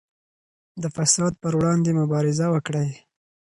د فساد پر وړاندې مبارزه وکړئ.